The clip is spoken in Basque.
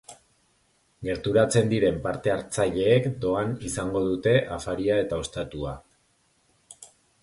Gerturatzen diren parte-hartzaileek doan izango dute afaria eta ostatua.